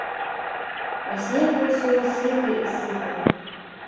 А снег усё сыпе і сыпе.